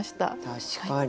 確かに。